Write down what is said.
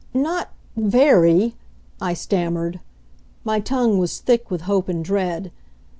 "Not very," I stammered. My tongue was thick with hope and dread.